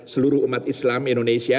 seluruh umat islam indonesia